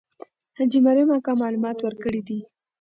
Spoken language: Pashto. حاجي مریم اکا معلومات ورکړي دي.